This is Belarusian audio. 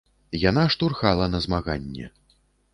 Яна штурхала на змаганне.